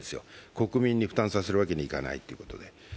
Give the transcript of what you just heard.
国民に負担させるわけにはいかないということで。